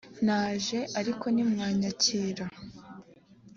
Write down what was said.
naraje ariko ntimwanyakira